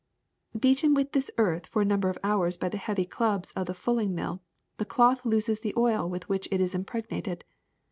*^ Beaten with this earth for a number of hours by the heavy clubs of the fulling mill, the cloth loses the oil with which it is impregnated.